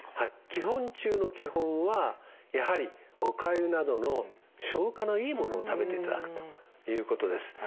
基本中の基本はやはりおかゆなどの消化のいいものを食べていただくということです。